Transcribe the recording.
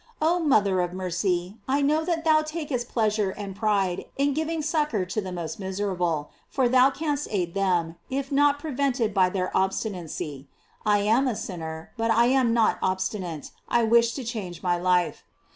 Oh mother of mercy, I know that thou takest pleas ure and pride in giving succor to the most mis erable, for thou canst aid them, if not prevented by their obstinacy. I am a sinner, but I am not obstinate; I wish to change my life.